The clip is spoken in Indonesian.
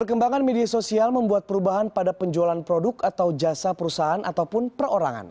perkembangan media sosial membuat perubahan pada penjualan produk atau jasa perusahaan ataupun perorangan